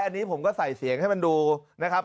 อันนี้ผมก็ใส่เสียงให้มันดูนะครับ